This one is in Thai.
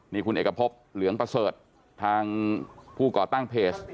นี่คุณเอกพบเหลืองประเสริฐทางผู้ก่อตั้งเพจ